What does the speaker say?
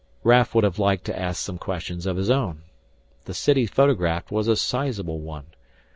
Raf would have liked to ask some questions of his own. The city photographed was a sizable one.